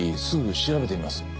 すぐ調べてみます。